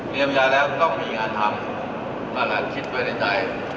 เรียนบริญญาณแล้วต้องมีงานทำมาหลังคิดไว้ในใจ